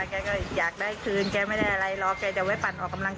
ยายแกก็อยากได้คืนแกไม่ได้อะไร